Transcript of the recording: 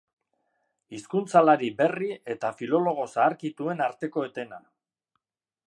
Hizkuntzalari berri eta filologo zaharkituen arteko etena.